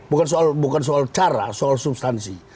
bukan soal cara soal substansi